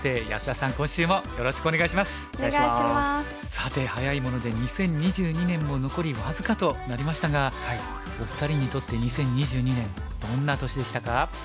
さて早いもので２０２２年も残り僅かとなりましたがお二人にとって２０２２年どんな年でしたか？